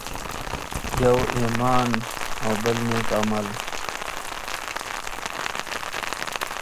يو ایمان او بل نیک عمل.